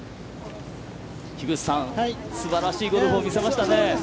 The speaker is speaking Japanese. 樋口さん、すばらしいゴルフを見せましたね。